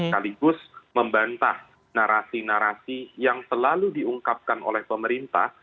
kaligus membantah narasi narasi yang selalu diungkapkan oleh pemerintah